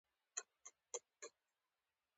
پر پېچومو ور وختو.